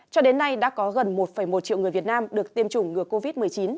cho đến nay đã có gần một một triệu người việt nam được tiêm chủng ngừa covid một mươi chín